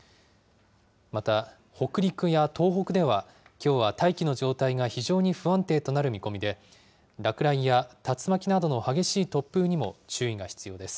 また北陸や東北では、きょうは大気の状態が非常に不安定となる見込みで、落雷や竜巻などの激しい突風にも注意が必要です。